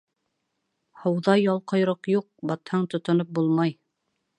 Һыуҙа ял-ҡойроҡ юҡ, батһаң тотоноп булмай.